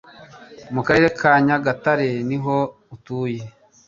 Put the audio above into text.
mu Karere ka Nyagatare niho ntuye